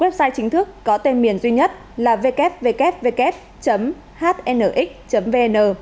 website chính thức có tên miền duy nhất là ww hnx vn